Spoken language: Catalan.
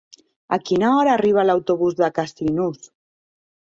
A quina hora arriba l'autobús de Casinos?